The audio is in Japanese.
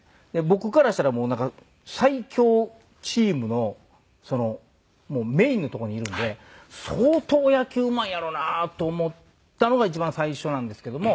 僕からしたら最強チームのもうメインのとこにいるんで相当野球うまいんやろうなと思ったのが一番最初なんですけども。